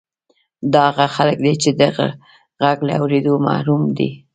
دا هغه خلک دي چې د غږ له اورېدو محروم دي